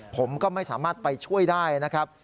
ผมก็ไม่สามารถไปช่วยได้นะครับ